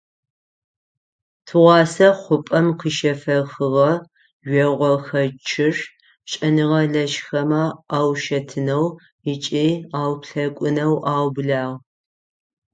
Тыгъуасэ хъупӏэм къыщефэхыгъэ жъогъохэчъыр шӏэныгъэлэжьхэмэ аушэтынэу ыкӏи ауплъэкӏунэу аублагъ.